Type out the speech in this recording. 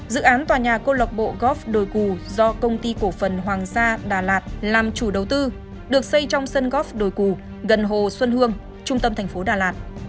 dự án tòa nhà cô lộc bộ góp đồi cù do công ty cổ phần hoàng sa đà lạt làm chủ đầu tư được xây trong sân góp đồi cù gần hồ xuân hương trung tâm thành phố đà lạt